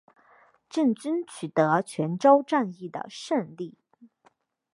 郑军取得泉州战役的胜利。